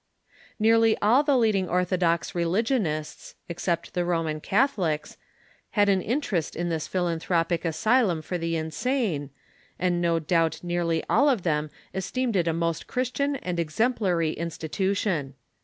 Nearly all the leading orthodox religionists, except the Roman Catholics, had. an interest in this philanthropic asylum for the insane, and no doubt nearly all of them esteemed it a most Christian and exemplary institution.